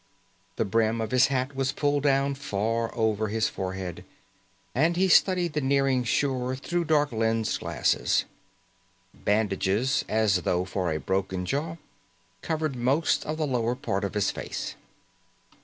The brim of his hat was pulled down far over his forehead, and he studied the nearing shore through dark lensed glasses. Bandages, as though for a broken jaw, covered most of the lower part of his face.